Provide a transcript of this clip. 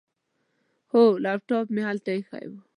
هو، لیپټاپ مې هلته ایښی و.